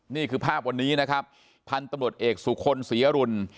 นี่คือภาพวันนี้นะครับพันธุ์ตำรวจเอกสุคลศรีอรุณ